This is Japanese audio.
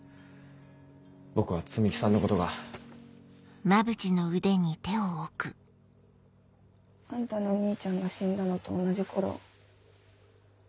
僕は摘木さんのことが。あんたの兄ちゃんが死んだのと同じ頃。